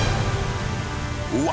うわ！